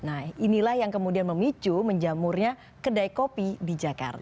nah inilah yang kemudian memicu menjamurnya kedai kopi di jakarta